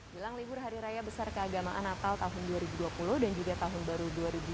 jelang libur hari raya besar keagamaan natal tahun dua ribu dua puluh dan juga tahun baru dua ribu dua puluh